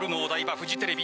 フジテレビ。